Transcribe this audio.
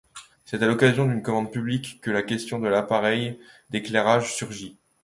C’est à l'occasion d’une commande publique que la question de l’appareil d'éclairage surgit.